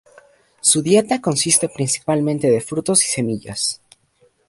Su dieta consiste principalmente de frutos y semillas.